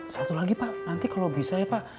satu lagi pak nanti kalau bisa ya pak